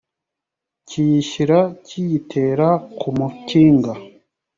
kiyishyira kiyitera nk umukinga